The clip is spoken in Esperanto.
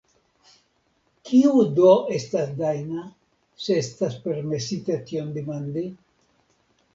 Kiu do estas Dajna, se estas permesite tion demandi.